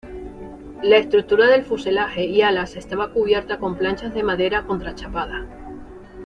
La estructura del fuselaje y alas estaba cubierta con planchas de madera contrachapada.